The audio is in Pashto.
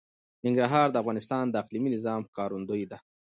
ننګرهار د افغانستان د اقلیمي نظام ښکارندوی ده.